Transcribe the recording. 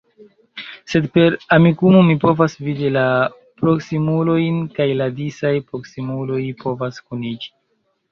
Sed per Amikumu mi povas vidi la proksimulojn, kaj la disaj proksimuloj povas kuniĝi.